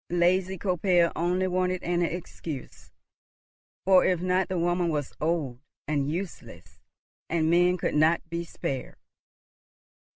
Lazy Koppel only wanted an excuse, or, if not, the woman was old and useless, and men could not be spared.